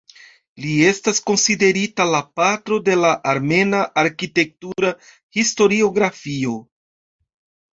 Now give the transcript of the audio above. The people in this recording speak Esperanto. Li estas konsiderita "la patro de la armena arkitektura historiografio.